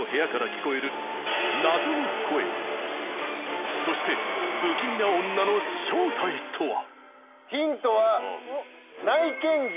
聞こえるそして不気味な女の正体とは！？